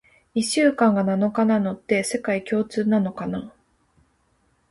一週間が七日なのって、世界共通なのかな？